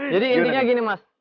jadi intinya gini mas